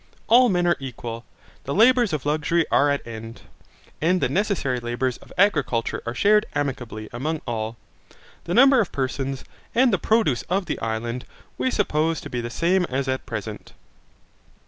All men are equal. The labours of luxury are at end. And the necessary labours of agriculture are shared amicably among all. The number of persons, and the produce of the island, we suppose to be the same as at present.